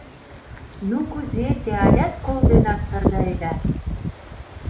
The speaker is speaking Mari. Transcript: — Ну, кузе, те алят кол денак «торгаеда»?